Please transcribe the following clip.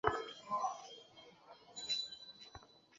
অহ, ধুর ছাই!